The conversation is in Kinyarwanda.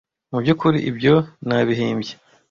Mubyukuri, ibyo nabihimbye.